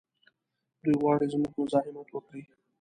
دوی غواړي زموږ مزاحمت وکړي.